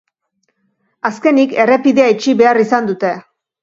Azkenik, errepidea itxi behar izan dute.